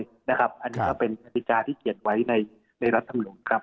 อันนี้ก็เป็นกฎิกาที่เขียนไว้ในรัฐธรรมนุนครับ